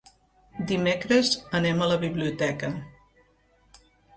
Dimecres anem a la biblioteca.